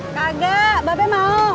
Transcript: kagak bapak mau